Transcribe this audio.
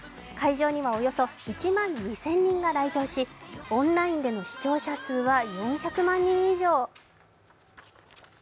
会場にはおよそ１万２０００人が来場しオンラインでの視聴者数は４００万人以上。